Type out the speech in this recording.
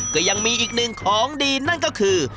ก็ยังมีอีกหนึ่งของดีนั่นก็คือ